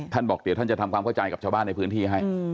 บอกเดี๋ยวท่านจะทำความเข้าใจกับชาวบ้านในพื้นที่ให้